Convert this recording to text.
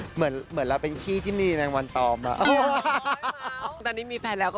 เหมือนเราเป็นขี้ที่มีแมงวานตอมเหรอ